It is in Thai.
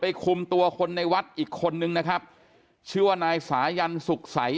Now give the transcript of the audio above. คุมตัวคนในวัดอีกคนนึงนะครับชื่อว่านายสายันสุขใส